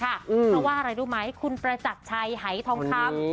เพราะว่าอะไรรู้ไหมคุณประจักรชัยหายทองคำ